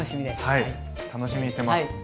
はい楽しみにしてます。